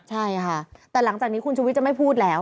ใช่ค่ะแต่หลังจากนี้คุณชุวิตจะไม่พูดแล้ว